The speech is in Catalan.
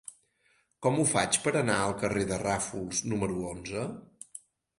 Com ho faig per anar al carrer de Ràfols número onze?